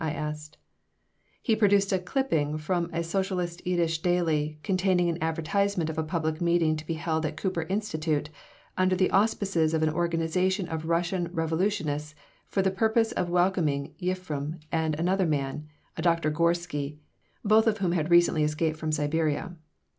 I asked He produced a clipping from a socialist Yiddish daily containing an advertisement of a public meeting to be held at Cooper Institute under the auspices of an organization of Russian revolutionists for the purpose of welcoming Yefflm and another man, a Doctor Gorsky, both of whom had recently escaped from Siberia.